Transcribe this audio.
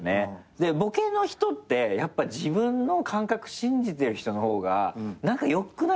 でボケの人ってやっぱ自分の感覚信じてる人の方が何かよくないですか？